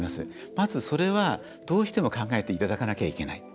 まずそれは、どうしても考えていただかなければいけない。